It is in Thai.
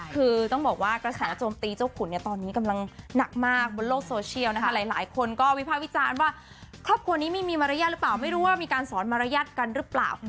คือต้องบอกว่ากระแสโจมตีเจ้าขุนเนี่ยตอนนี้กำลังหนักมากบนโลกโซเชียลนะคะหลายคนก็วิภาควิจารณ์ว่าครอบครัวนี้ไม่มีมารยาทหรือเปล่าไม่รู้ว่ามีการสอนมารยาทกันหรือเปล่า